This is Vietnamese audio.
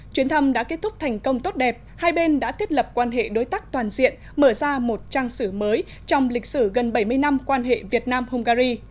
chuyến thăm đã kết thúc thành công tốt đẹp hai bên đã thiết lập quan hệ đối tác toàn diện mở ra một trang sử mới trong lịch sử gần bảy mươi năm quan hệ việt nam hungary